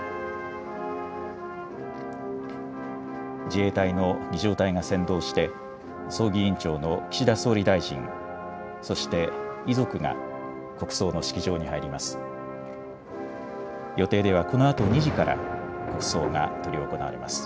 自衛隊の儀じょう隊が先導して、葬儀委員長の岸田総理大臣、そして遺族が国葬の式場に入ります。